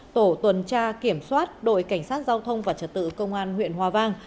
tổ tuần tra kiểm soát đội cảnh sát giao thông và trật tự công an huyện hòa vang